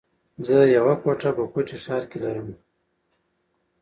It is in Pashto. زه يوه کوټه په کوټه ښار کي لره مه